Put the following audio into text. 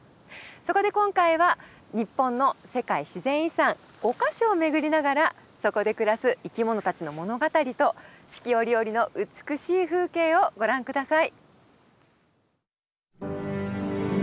そこで今回は日本の世界自然遺産５か所を巡りながらそこで暮らす生き物たちの物語と四季折々の美しい風景をご覧下さい。